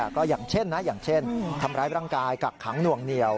ก็อย่างเช่นทำร้ายพลังกายกักขังหน่วงเหนียว